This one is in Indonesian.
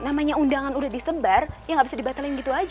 namanya undangan udah disebar ya nggak bisa dibatalin gitu aja